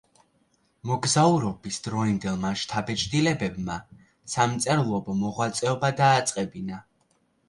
მოგზაურობის დროინდელმა შთაბეჭდილებებმა სამწერლობო მოღვაწეობა დააწყებინა.